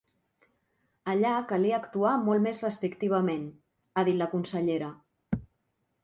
Allà calia actuar molt més restrictivament, ha dit la consellera.